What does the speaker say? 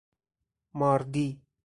ماردی